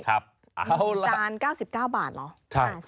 จาน๙๙บาทเหรอ